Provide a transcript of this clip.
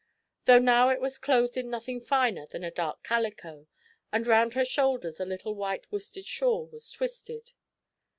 Though now it was clothed in nothing finer than a dark calico, and round her shoulders a little white worsted shawl was twisted.